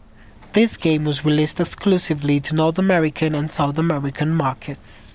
This game was released exclusively to North American and South American markets.